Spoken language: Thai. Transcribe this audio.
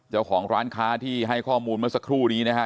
เจ้าของร้านค้าที่ให้ข้อมูลเมื่อสักครู่นี้นะฮะ